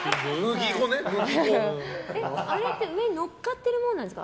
あれって上にのっかってるものなんですか？